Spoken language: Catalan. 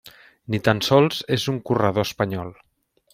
Ni tan sols és un corredor espanyol.